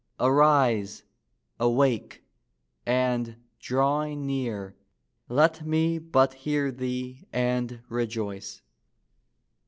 Arise! awake! and, drawing near, Let me but hear thee and rejoice!